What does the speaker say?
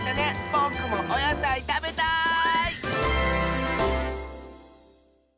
ぼくもおやさいたべたい！